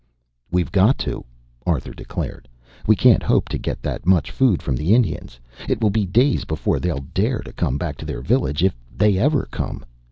"We've got to," Arthur declared. "We can't hope to get that much food from the Indians. It will be days before they'll dare to come back to their village, if they ever come.